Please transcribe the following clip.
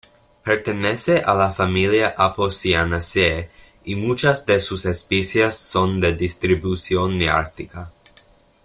Pertenece a la familia Apocynaceae y muchas de sus especies son de distribución neártica.